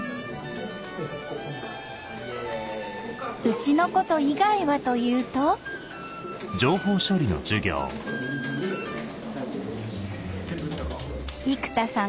牛のこと以外はというと生田さん